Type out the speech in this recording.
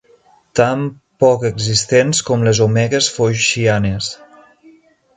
Tan poc existents com les omegues foixianes.